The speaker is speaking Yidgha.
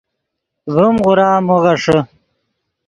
ڤیم غورا مو غیݰے